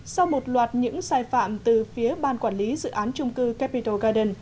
sau một loạt những sai phạm từ phía ban quản lý dự án trung cư capitol garden